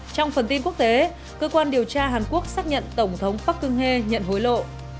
trong phần tin quốc tế cơ quan điều tra hàn quốc xác nhận tổng thống park geun hye nhận hối lộ